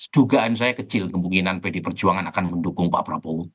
dugaan saya kecil kemungkinan pdi perjuangan akan mendukung pak prabowo